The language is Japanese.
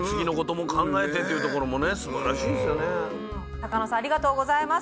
坂野さんありがとうございます。